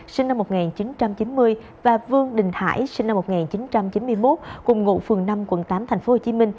sinh năm một nghìn chín trăm chín mươi và vương đình hải sinh năm một nghìn chín trăm chín mươi một cùng ngụ phường năm quận tám tp hcm